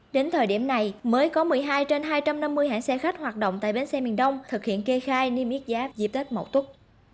đến thời điểm này mới có một mươi hai trên hai trăm năm mươi hãng xe khách hoạt động tại bến xe miền đông thực hiện kê khai niêm yết giá dịp tết một chút